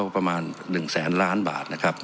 ประมาณ๑แสนล้านบาทนะครับ